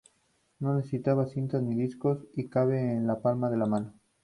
No necesita cintas ni discos y cabe en la palma de la mano.